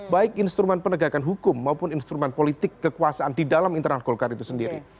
baik instrumen penegakan hukum maupun instrumen politik kekuasaan di dalam internal golkar itu sendiri